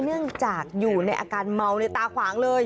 เนื่องจากอยู่ในอาการเมาในตาขวางเลย